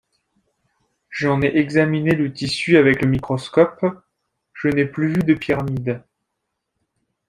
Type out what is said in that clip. J’en ai examiné le tissu avec le microscope, je n'ai plus vu de pyramides.